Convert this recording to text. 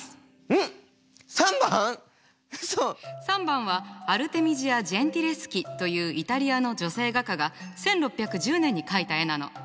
３番はアルテミジア・ジェンティレスキというイタリアの女性画家が１６１０年に描いた絵なの。